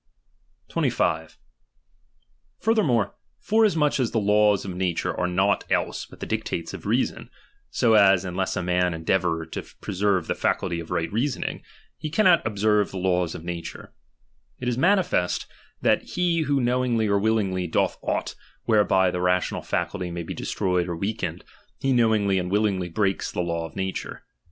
25. Furthermore, forasmuch as the laws of na ture are nought else but the dictates of reason ; so as, unless a man endeavour to preserve the faculty of right reasoning, he cannot observe the laws of nature ; it is manifest, that he who knowingly or willingly doth aught whereby the rational faculty may be destroyed or weakened, he knowingly and willingly breaks the law of nature.